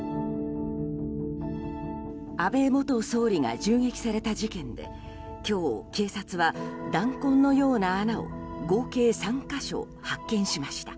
安倍元総理が銃撃された事件で今日、警察は弾痕のような穴を合計３か所発見しました。